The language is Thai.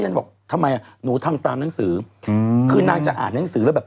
ฉันบอกทำไมอ่ะหนูทำตามหนังสืออืมคือนางจะอ่านหนังสือแล้วแบบ